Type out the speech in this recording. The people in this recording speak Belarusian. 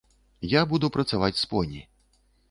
Я буду працаваць з поні.